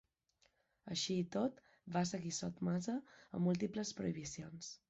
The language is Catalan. Així i tot va seguir sotmesa a múltiples prohibicions.